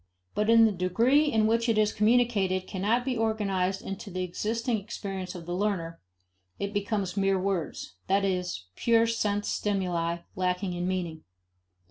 But in the degree in which what is communicated cannot be organized into the existing experience of the learner, it becomes mere words: that is, pure sense stimuli, lacking in meaning.